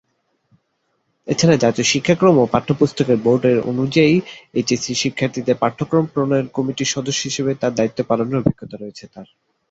এছাড়া জাতীয় শিক্ষাক্রম ও পাঠ্যপুস্তক বোর্ডের অধীনে এইচএসসি শিক্ষার্থীদের পাঠ্যক্রম প্রণয়ন কমিটির সদস্য হিসেবেও দায়িত্ব পালনের অভিজ্ঞতা রয়েছে তার।